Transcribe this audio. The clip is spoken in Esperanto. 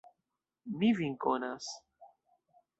Mi vin konas.